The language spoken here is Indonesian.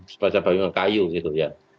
sepanjang bangunan kayu gitu ya